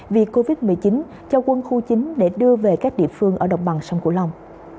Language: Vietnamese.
vì covid một mươi chín cho quân khu chín để đưa về các địa phương ở đồng bằng sông cửu long